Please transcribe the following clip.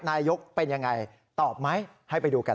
นายกเป็นยังไงตอบไหมให้ไปดูกัน